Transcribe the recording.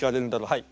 はい。